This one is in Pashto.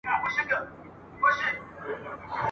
موږ په روڼو سترګو لاندي تر بړستن یو !.